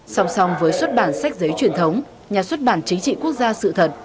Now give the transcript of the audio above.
song song với xuất bản sách giấy truyền thống nhà xuất bản chính trị quốc gia sự thật